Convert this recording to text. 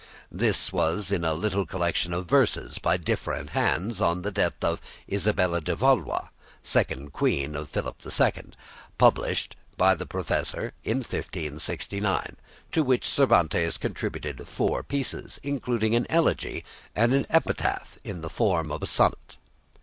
This was in a little collection of verses by different hands on the death of Isabel de Valois, second queen of Philip II, published by the professor in 1569, to which Cervantes contributed four pieces, including an elegy, and an epitaph in the form of a sonnet.